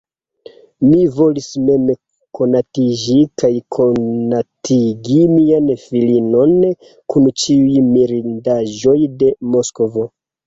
Mi volis mem konatiĝi kaj konatigi mian filinon kun ĉiuj mirindaĵoj de Moskvo.